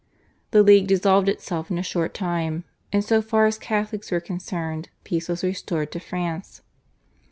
The League dissolved itself in a short time, and so far as Catholics were concerned peace was restored to France.